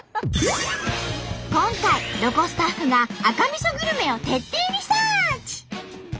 今回ロコスタッフが赤みそグルメを徹底リサーチ！